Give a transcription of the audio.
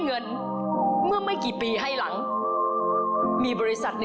ของท่านได้เสด็จเข้ามาอยู่ในความทรงจำของคน๖๗๐ล้านคนค่ะทุกท่าน